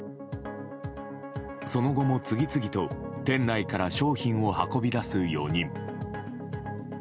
その後も次々と店内から商品を運び出す４人。